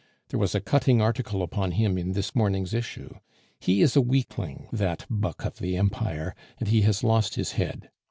There was a cutting article upon him in this morning's issue; he is a weakling, that buck of the Empire, and he has lost his head.